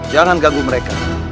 jangan ganggu mereka